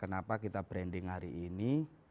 kenapa kita branding hari ini